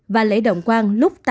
và lễ động quan lúc bảy h ba mươi